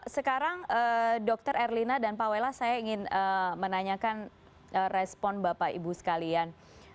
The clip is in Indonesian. sekarang dr erlina dan pak welas saya ingin menanyakan respon bapak ibu sekalian